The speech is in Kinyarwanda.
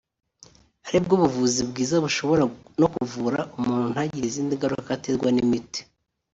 ari bwo buvuzi bwiza bushobora no kuvura umuntu ntagire izindi ngaruka aterwa n’imiti